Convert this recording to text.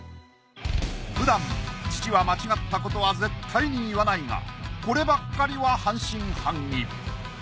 ふだん父は間違ったことは絶対に言わないがこればっかりは半信半疑。